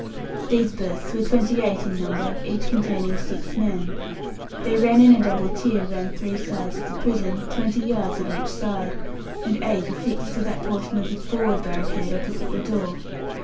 These berths were twenty eight in number, each containing six men. They ran in a double tier round three sides of the prison, twenty at each side, and eight affixed to that portion of the forward barricade opposite the door.